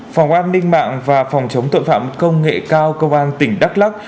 phòng an ninh mạng và phòng chống tội phạm công nghệ cao công an tỉnh đắk lắc